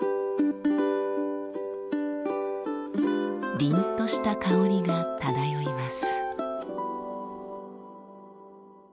りんとした香りが漂います。